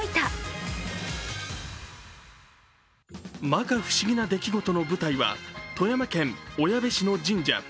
まか不思議な出来事の舞台は富山県小矢部市の神社。